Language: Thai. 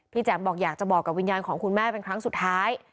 แจ๋มบอกอยากจะบอกกับวิญญาณของคุณแม่เป็นครั้งสุดท้าย